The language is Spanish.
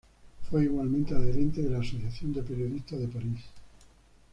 Fue igualmente adherente de la asociación de periodistas de París.